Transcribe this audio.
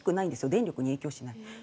電力に影響しない。